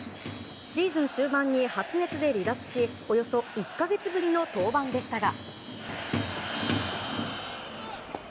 シーズン終盤に発熱で離脱しおよそ１か月ぶりの登板でしたが。